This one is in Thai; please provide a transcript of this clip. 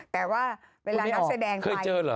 ผมไม่ออกเคยเจอเหรอ